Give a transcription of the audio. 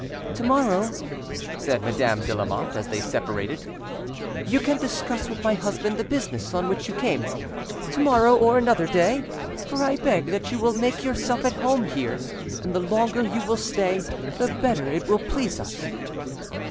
"To morrow," said Madame de Lamotte as they separated, "you can discuss with my husband the business on which you came: to morrow, or another day, for I beg that you will make yourself at home here, and the longer you will stay the better it will please us."